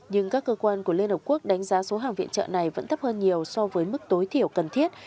nhưng các cơ quan của liên hợp quốc đánh giá số hàng viện trợ này vẫn thấp hơn nhiều so với mức tối thiểu cần thiết